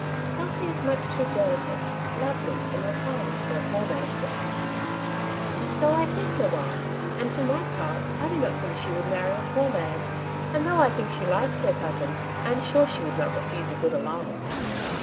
Elsie is much too delicate, lovely, and refined for a poor man^s wife/' ^^ So I think, mamma ; and for my part I do not think she would marry a poor man ; and though I think she likes her cousin, I am sure she would not refuse a good alliance.